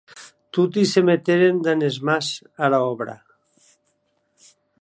Toti se meteren damb es mans ara òbra.